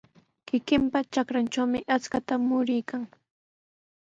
Kikinpa trakrantrawmi akshuta muruykan.